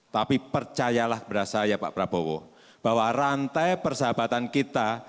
tapi percayalah kepada saya pak prabowo bahwa rantai persahabatan kita